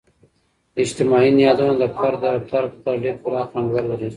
اجتماعي نهادونه د فرد د رفتار په پرتله ډیر پراخ انډول لري.